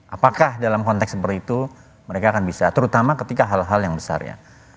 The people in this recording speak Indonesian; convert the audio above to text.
apakah dalam konteks seperti itu mereka akan bisa terutama ketika hal hal yang besarnya